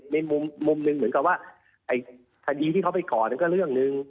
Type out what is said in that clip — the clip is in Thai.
ในมุมหนึ่งเหมือนกับว่าไอ้คดีที่เขาไปก่อนั้นก็เรื่องหนึ่ง